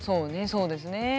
そうですね。